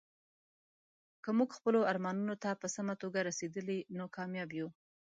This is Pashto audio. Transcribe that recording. که موږ خپلو ارمانونو ته په سمه توګه رسیدلي، نو کامیاب یو.